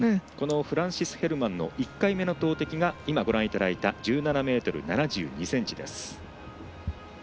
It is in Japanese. フランシス・ヘルマンの１回目の投てきが１７ｍ７２ｃｍです。